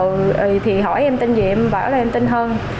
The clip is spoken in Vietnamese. ừ thì hỏi em tên gì em bảo là em tên hân